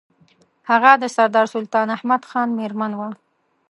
هغه د سردار سلطان احمد خان مېرمن وه.